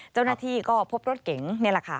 เจ้าหน้าที่ก็พบรถเก๋งนี่แหละค่ะ